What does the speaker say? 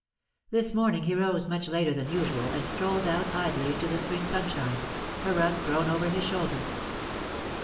This morning he rose much later than usual, and strolled out idly into the spring sunshine, a rug thrown over his shoulder.